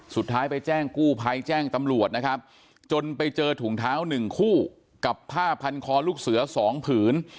สุดท้ายไปแจ้งกู้ภัยแจ้งตำรวจนะครับจนไปเจอถุงเท้าหนึ่งคู่กับผ้าพันคอลูกเสือ๒ผืน